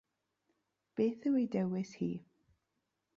Beth yw ei dewis hi?